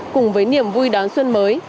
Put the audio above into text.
cùng với niềm vui đón xuân mới